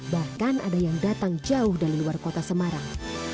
bahkan ada yang datang jauh dari luar kota semarang